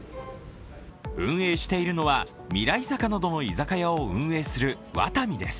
運営しているのは、ミライザカなどの居酒屋を運営するワタミです。